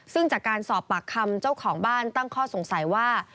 ซึ่งจากการสอบปากคำเจ้าของบ้านตั้งข้อสงสัยว่า